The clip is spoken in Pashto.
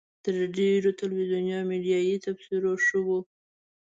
تر ډېرو تلویزیوني او میډیایي تبصرو ښه وه.